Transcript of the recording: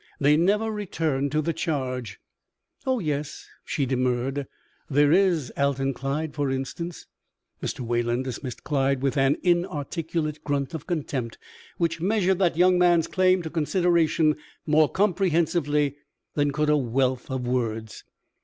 They never return to the charge " "Oh yes," she demurred. "There is Alton Clyde, for instance " Mr. Wayland dismissed Clyde with an inarticulate grunt of contempt which measured that young man's claim to consideration more comprehensively than could a wealth of words.